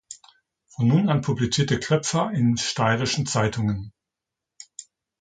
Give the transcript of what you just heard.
Von nun an publizierte Kloepfer in steirischen Zeitungen.